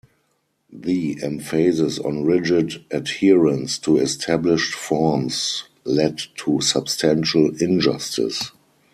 The emphasis on rigid adherence to established forms led to substantial injustice.